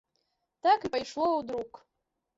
Так і пайшло ў друк.